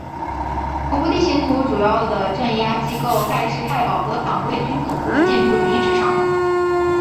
恐怖地形图主要的镇压机构盖世太保和党卫军总部的建筑遗址上。